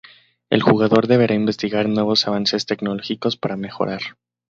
El jugador deberá investigar nuevos avances tecnológicos para mejorar.